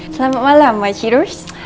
selamat malam makci rus